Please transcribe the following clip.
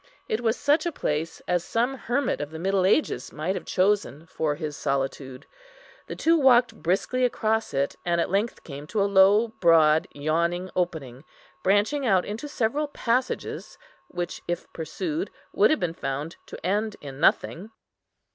It was such a place as some hermit of the middle ages might have chosen for his solitude. The two walked briskly across it, and at length came to a low, broad yawning opening, branching out into several passages which, if pursued, would have been found to end in nothing.